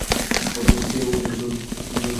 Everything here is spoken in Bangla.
সে ওদিকে দৌড়ে গেছে।